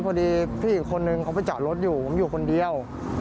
พอดีพี่อีกคนนึงเขาไปจอดรถอยู่ผมอยู่คนเดียว